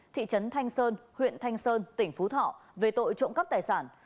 thị trấn thanh sơn huyện thanh sơn tỉnh phú thọ về tội trộm cắp tài sản